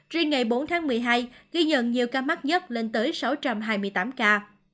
riêng ngày bốn tháng một mươi hai ghi nhận nhiều ca mắc nhất lên tới sáu trăm hai mươi tám ca